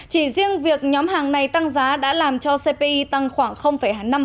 chỉ riêng việc nhóm hàng này tăng giá đã làm cho cpi tăng khoảng năm